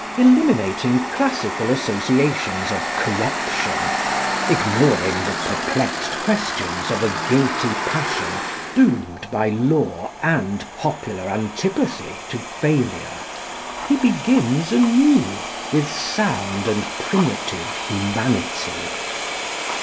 Eliminating classical associations of corruption, ignoring the perplexed questions of a guilty passion doomed by law and popular antipathy to failure, he begins anew with sound and primitive humanity.